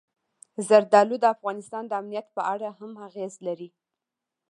زردالو د افغانستان د امنیت په اړه هم اغېز لري.